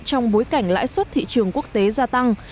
trong bối cảnh lãi suất thị trường quốc tế gia tăng